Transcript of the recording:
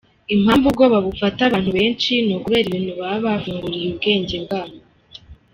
Impamvu ubwoba bufata abantu benshi ni ukubera ibintu baba bafunguriye ubwenge bwabo.